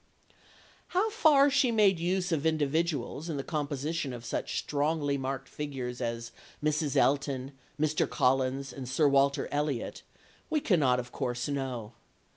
How far she made use of individuals in the composition of such strongly marked figures as Mrs. Elton, Mr. Collins and Sir Walter Elliot, we cannot, of course, know.